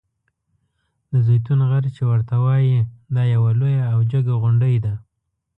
د زیتون غر چې ورته وایي دا یوه لویه او جګه غونډۍ ده.